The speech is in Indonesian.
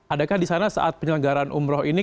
adakah di sana saat penyelenggaran umroh ini